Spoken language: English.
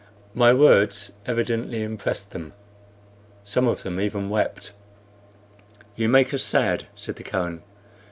My words evidently impressed them: some of them even wept. "You make us sad," said the Kohen.